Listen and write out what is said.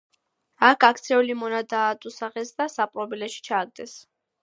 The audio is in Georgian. აქ გაქცეული მონა დაატუსაღეს და საპყრობილეში ჩააგდეს.